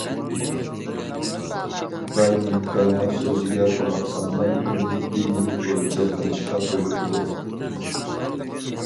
باي نىمكارنىڭ سۆزىگە قۇلاق سالماي، ئۇنى دېگىنى بويىچە قىلىشقا بۇيرۇپتۇ.